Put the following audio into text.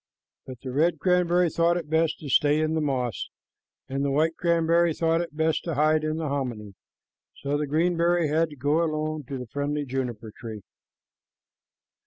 But the red cranberry thought it best to stay in the moss, and the white cranberry thought it best to hide in the hominy, so the green cranberry had to go alone to the friendly juniper tree.